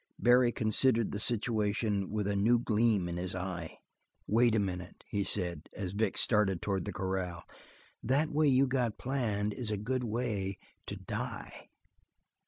Barry considered the situation with a new gleam in his eye. "Wait a minute," he said, as Vic started towards the corral. "That way you got planned is a good way to die.